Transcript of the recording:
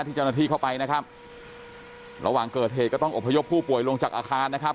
เจ้าหน้าที่เข้าไปนะครับระหว่างเกิดเหตุก็ต้องอบพยพผู้ป่วยลงจากอาคารนะครับ